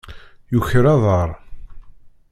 Yuker aḍaṛ.